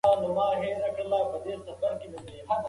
ماشومان باید صحي خواړه وخوري.